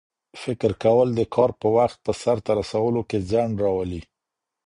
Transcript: فکر کول د کار په وخت په سرته رسولو کې ځنډ راولي.